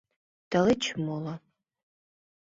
Тылеч моло